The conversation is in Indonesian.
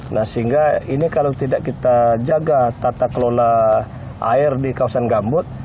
nah sehingga ini kalau tidak kita jaga tata kelola air di kawasan gambut